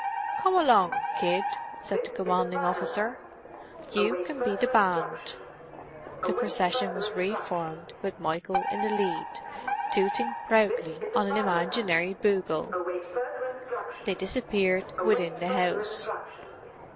"Come along, kid," said the commanding officer. "You can be the band." The procession was re formed with Michael in the lead, tooting proudly on an imaginary bugle. They disappeared within the house.